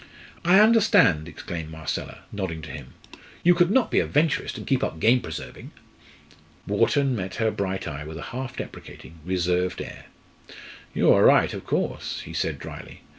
"I understand!" exclaimed Marcella, nodding to him "you could not be a Venturist and keep up game preserving?" Wharton met her bright eye with a half deprecating, reserved air. "You are right, of course," he said drily.